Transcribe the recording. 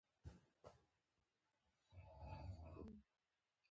په افغانستان کې بادام له خلکو له اعتقاداتو سره دي.